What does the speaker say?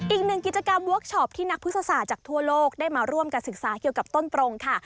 อีกหนึ่งกิจกรรมเวิร์คชอปที่นักพฤษศาสตร์จากทั่วโลกได้มาร่วมกันศึกษาเกี่ยวกับต้นปรงค่ะ